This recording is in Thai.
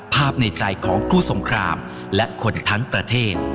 ในใจของคู่สงครามและคนทั้งประเทศ